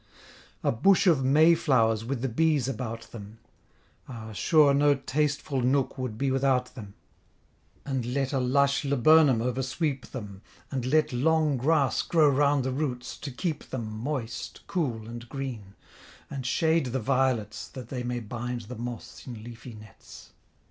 A bush of May flowers with the bees about them; Ah, sure no tasteful nook would be without them; And let a lush laburnum oversweep them, And let long grass grow round the roots to keep them Moist, cool and green; and shade the violets, That they may bind the moss in leafy nets.